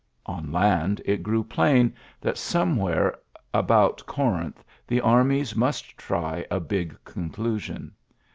On land it grew plain that somewhere about Corinth the armies must try a big conclusion.